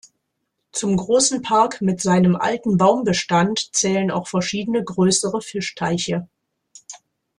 Zum großen Park mit seinem alten Baumbestand zählen auch verschiedene größere Fischteiche.